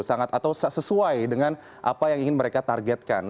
sangat atau sesuai dengan apa yang ingin mereka targetkan